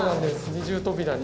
二重扉に。